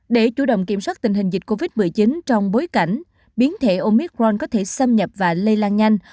để chủ động kiểm soát tình hình dịch covid một mươi chín trong bối cảnh biến thể omicron có thể xâm nhập và lây lan nhanh